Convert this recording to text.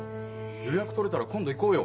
予約取れたら今度行こうよ。